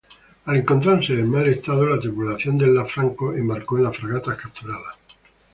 Al encontrarse en mal estado, la tripulación del "Lanfranco" embarcó en las fragatas capturadas.